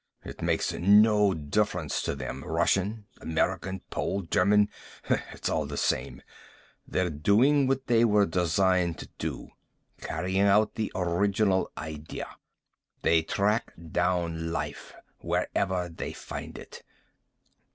It makes no difference to them, Russian, American, Pole, German. It's all the same. They're doing what they were designed to do. Carrying out the original idea. They track down life, wherever they find it."